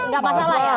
gak masalah ya